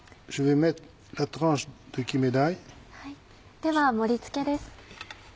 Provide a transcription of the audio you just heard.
では盛り付けです。